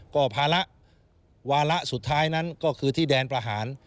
ก็ภาระวาระสุดท้ายนั้นก็คือที่แดนประหาร